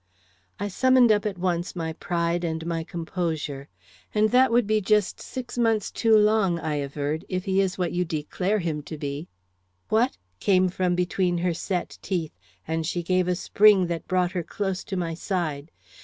I summoned up at once my pride and my composure. "And that would be just six months too long," I averred, "if he is what you declare him to be." "What?" came from between her set teeth, and she gave a spring that brought her close to my side.